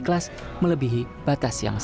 terima kasih banyak jenderal